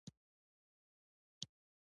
القلي له تیزابو سره څه توپیر لري.